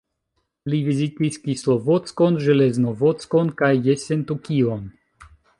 Li vizitis Kislovodskon, Ĵeleznovodskon kaj Jessentuki-on.